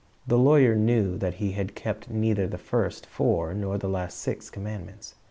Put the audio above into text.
The lawyer knew that he had kept neither the first four nor the last six commandments.